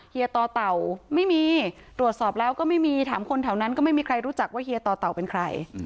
เฮียต่อเต่าไม่มีตรวจสอบแล้วก็ไม่มีถามคนแถวนั้นก็ไม่มีใครรู้จักว่าเฮียต่อเต่าเป็นใคร